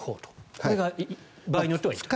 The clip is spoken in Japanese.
これは場合によってはいいと。